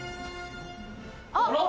あっ！